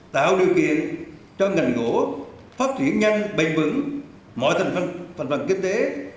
tạo điều kiện cho ngành gỗ phát triển nhanh bền vững mọi thành phần kinh tế